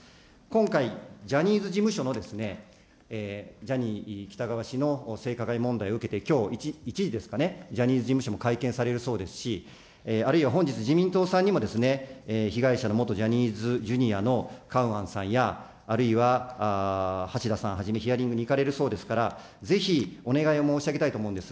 今回、ジャニーズ事務所のジャニー喜多川氏の性加害問題を受けて、きょう１時ですかね、ジャニーズ事務所も会見されるようですし、あるいは本日、自民党さんにも、被害者の元ジャニーズＪｒ．のカウアンさんや、あるいは橋田さんはじめ、ヒアリングに行かれるそうですから、ぜひお願いを申し上げたいと思うんです。